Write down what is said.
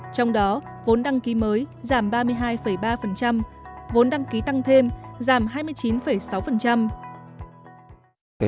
trong đó vốn đăng ký mới giảm ba mươi hai ba vốn đăng ký tăng thêm giảm hai mươi chín sáu